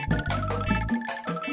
jangan lupa kata investasi